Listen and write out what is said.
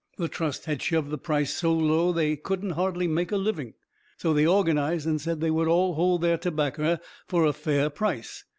The trust had shoved the price so low they couldn't hardly make a living. So they organized and said they would all hold their tobaccer fur a fair price.